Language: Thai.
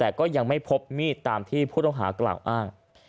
แต่ก็ยังไม่พบมีดตามที่ผู้ต้องหากล่าวอ้าง